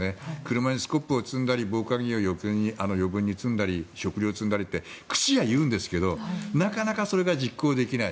車にスコップを積んだり防寒着を余分に積んだり食料積んだりって口では言うんですけどなかなかそれが実行できない。